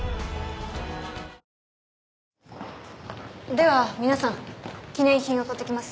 では皆さん記念品を取ってきます。